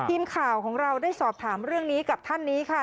ทีมข่าวของเราได้สอบถามเรื่องนี้กับท่านนี้ค่ะ